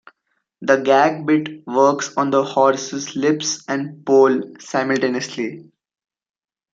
The gag bit works on the horse's lips and poll simultaneously.